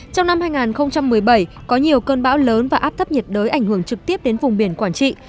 trong năm hai nghìn một mươi bảy có nhiều cơn bão lớn và áp thấp nhiệt đới ảnh hưởng trực tiếp đến vùng biển quảng trị